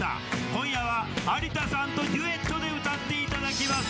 今夜は有田さんとデュエットで歌っていただきます。